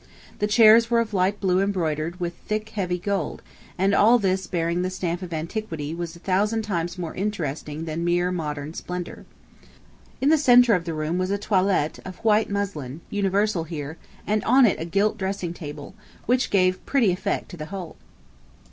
The chairs were of light blue embroidered with thick, heavy gold, and all this bearing the stamp of antiquity was a thousand times more interesting than mere modern splendor. In the centre of the room was a toilet of white muslin (universal here), and on it a gilt dressing glass, which gave pretty effect to the whole.